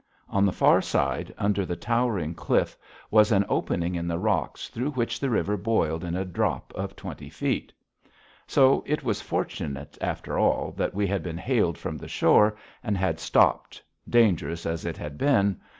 On the far side, under the towering cliff, was an opening in the rocks through which the river boiled in a drop of twenty feet. So it was fortunate, after all, that we had been hailed from the shore and had stopped, dangerous as it had been.